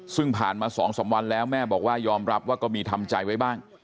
ซึ่งผ่านมา๒๓วันแล้วแม่บอกว่ายอมรับว่าก็มีทำใจไว้บ้าง